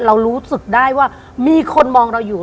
เรารู้สึกได้ว่ามีคนมองเราอยู่